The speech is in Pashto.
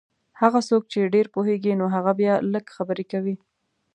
هغه څوک چې ډېر پوهېږي نو هغه بیا لږې خبرې کوي.